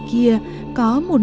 sư kia có một nguồn sống